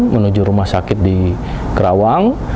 menuju rumah sakit di kerawang